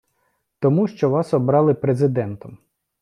Тому що Вас обрали Президентом.